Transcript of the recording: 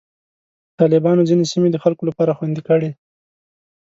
طالبانو ځینې سیمې د خلکو لپاره خوندي کړې.